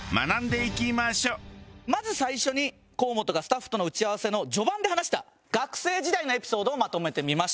まず最初に河本がスタッフとの打ち合わせの序盤で話した学生時代のエピソードをまとめてみました。